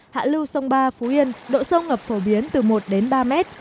hạ lưu sông ba phú yên độ sâu ngập phổ biến từ một đến ba mét